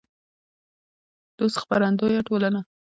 دوست خپرندویه ټولنه